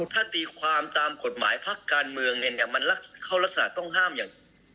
ถ้าตีความตามกฎหมายพักการเมืองเนี่ยมันเข้ารักษณะต้องห้ามอย่าง